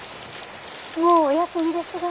もうお休みですが。